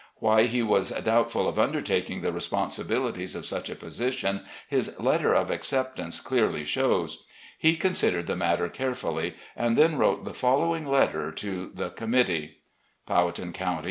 Why he was doubtful of undertaking the responsibilities of such a position his letter of acceptance clearly shows. He considered the matter carefully and then wrote the following letter to the committee :* Professor E. S. Joynes.